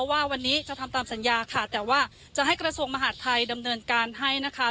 ว่าวันนี้จะทำตามสัญญาค่ะแต่ว่าจะให้กระทรวงมหาดไทยดำเนินการให้นะคะ